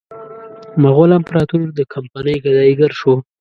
مغول امپراطور د کمپنۍ ګدایي ګر شو.